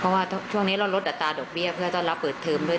เพราะว่าช่วงนี้เราลดอัตราดอกเบี้ยเพื่อต้อนรับเปิดเทอมด้วย